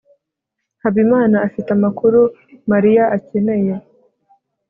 habimana afite amakuru mariya akeneye